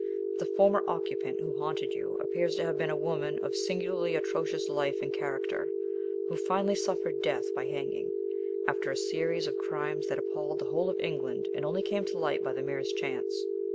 The former occupant who haunted you appears to have been a woman of singularly atrocious life and character who finally suffered death by hanging, after a series of crimes that appalled the whole of England and only came to light by the merest chance.